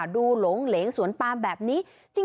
หลงเหลงสวนปามแบบนี้